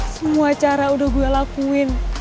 semua cara udah gue lakuin